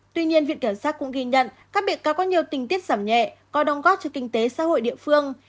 tuy nhiên viện kiểm sát cũng ghi nhận các bị cáo có nhiều tình tiết giảm nhẹ có đồng góp cho kinh tế xã hội địa phương